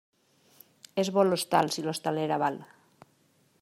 És bo l'hostal si l'hostalera val.